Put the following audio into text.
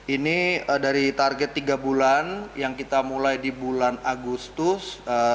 ini dari target tiga bulan yang kita mulai di bulan agustus